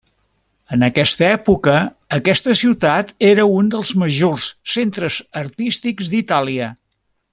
En aquesta època aquesta ciutat era un dels majors centres artístics d'Itàlia.